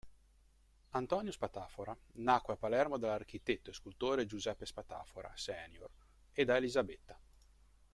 Antonino Spatafora nacque a Palermo dall'architetto e scultore Giuseppe Spatafora senior e da Elisabetta.